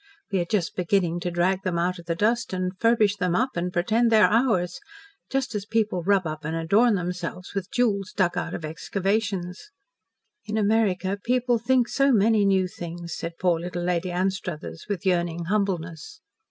We are just beginning to drag them out of the dust and furbish them up and pretend they are ours, just as people rub up and adorn themselves with jewels dug out of excavations." "In America people think so many new things," said poor little Lady Anstruthers with yearning humbleness.